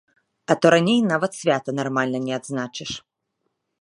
А то раней нават свята нармальна не адзначыш.